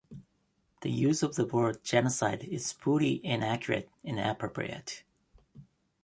The use of the word genocide is wholly inaccurate and inappropriate.